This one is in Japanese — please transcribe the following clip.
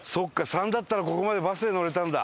「３」だったらここまでバスで乗れたんだ。